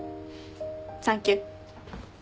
サンキュ。